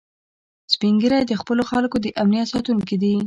سپین ږیری د خپلو خلکو د امنیت ساتونکي دي